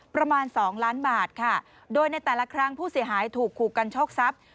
ประมาณสองล้านบาทค่ะโดยในแต่ละครั้งผู้เสียหายถูกขู่กันโชคทรัพย์